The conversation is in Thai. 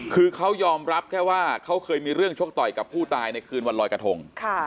คือเขายอมรับแค่ว่าเขาเคยมีเรื่องชกต่อยกับผู้ตายในคืนวันลอยกระทง